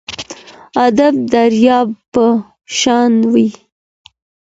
ادب درياب په شان وي.